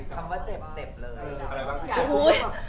คำว่าเจ็บเลย